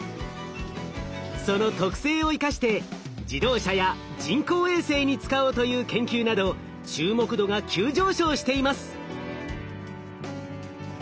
その特性を生かして自動車や人工衛星に使おうという研究など注目度が急上昇しています。